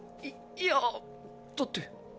いいやぁだって。